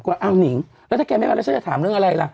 ว่าอ้าวนิงแล้วถ้าแกไม่มาแล้วฉันจะถามเรื่องอะไรล่ะ